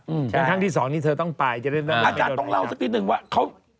ใช่ครั้งที่๒นี้เธอต้องไปจะได้เริ่มไปแล้วนะครับค่ะบ๊วยอาจารย์ต้องเล่าสักทีนึงว่าเขา